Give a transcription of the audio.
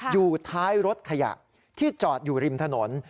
อยู่ท้ายรถขยะที่จอดอยู่ริมถนน